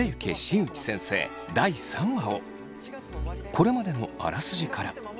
これまでのあらすじから。